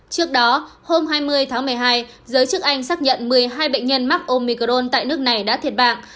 trước đó hôm hai mươi tháng một mươi hai giới chức anh xác nhận một mươi hai bệnh nhân mắc omicron tại nước này đã thiệt mạng